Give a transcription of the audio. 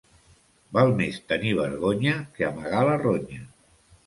Val més tenir vergonya que amagar la ronya.